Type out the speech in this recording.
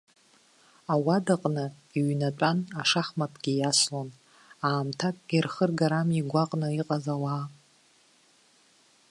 Ауадаҟны иҩнатәан, ашахматгьы иаслон, аамҭакгьы рхыргарами игәаҟны иҟаз ауаа.